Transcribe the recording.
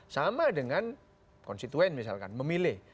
sama dengan konstituen misalkan memilih